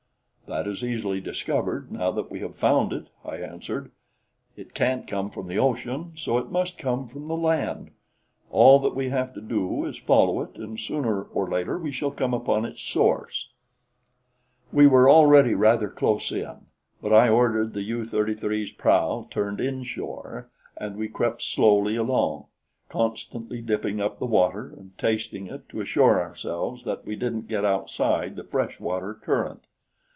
"That is easily discovered now that we have found it," I answered. "It can't come from the ocean; so it must come from the land. All that we have to do is follow it, and sooner or later we shall come upon its source." We were already rather close in; but I ordered the U 33's prow turned inshore and we crept slowly along, constantly dipping up the water and tasting it to assure ourselves that we didn't get outside the fresh water current.